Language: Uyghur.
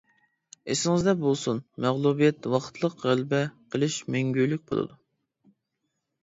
ئېسىڭىزدە بولسۇن، مەغلۇبىيەت ۋاقىتلىق، غەلىبە قىلىش مەڭگۈلۈك بولىدۇ.